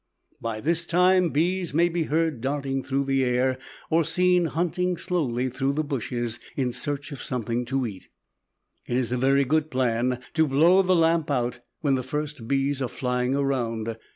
By this time bees may be heard darting through the air or seen hunting slowly through the bushes in search of something to eat. It is a very good plan to blow the lamp out when the first bees are flying around.